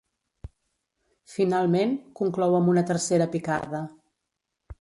Finalment, conclou amb una tercera picarda.